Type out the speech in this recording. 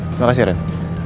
terima kasih ren